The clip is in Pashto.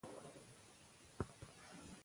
د ملګرو ملاتړ ترلاسه کړئ.